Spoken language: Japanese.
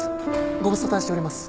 ご無沙汰しております。